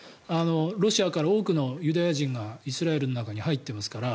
ロシアから多くのユダヤ人がイスラエルの中に入ってますから。